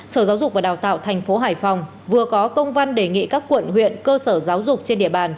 sở giáo dục và đào tạo thành phố hải phòng vừa có công văn đề nghị các quận huyện cơ sở giáo dục trên địa bàn